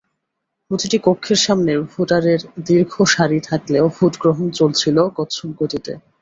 প্রতিটি কক্ষের সামনে ভোটারের দীর্ঘ সারি থাকলেও ভোট গ্রহণ চলছিল কচ্ছপগতিতে।